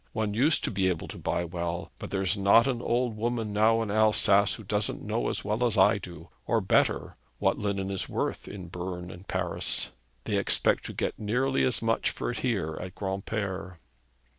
One used to be able to buy well; but there is not an old woman now in Alsace who doesn't know as well as I do, or better, what linen is worth in Berne and Paris. They expect to get nearly as much for it here at Granpere.'